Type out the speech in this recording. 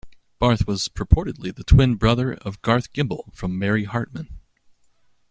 Barth was purportedly the twin brother of Garth Gimble from "Mary Hartman".